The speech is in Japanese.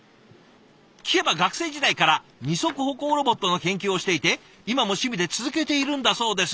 聞けば学生時代から二足歩行ロボットの研究をしていて今も趣味で続けているんだそうです。